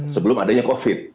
sebelum adanya covid